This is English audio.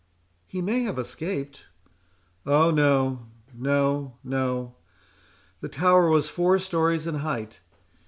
"He may have escaped." "Oh! no, no, no—the tower was four stories in height.